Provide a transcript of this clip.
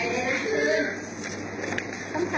อีกสิฟะ